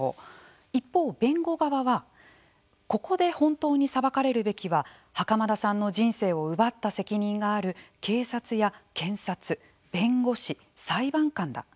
一方弁護側はここで本当に裁かれるべきは袴田さんの人生を奪った責任がある警察や検察弁護士、裁判官だ。